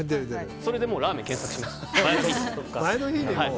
それでラーメンを検索します。